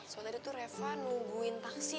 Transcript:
soalnya dia tuh reva nungguin tante farah